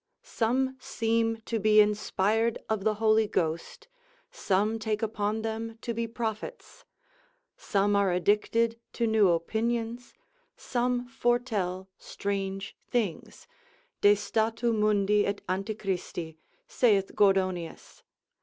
Some seem to be inspired of the Holy Ghost, some take upon them to be prophets, some are addicted to new opinions, some foretell strange things, de statu mundi et Antichristi, saith Gordonius.